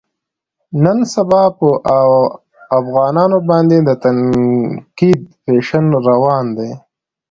نن سبا په افغانانو باندې د تنقید فیشن روان دی.